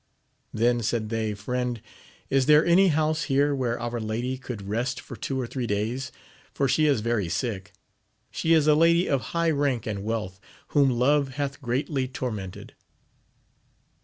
Then said they. Friend, is there any house here where our lady could rest for two or three days ] for she is very sick : she is a lady of high rank and wealth, whom love hath greatly tormented.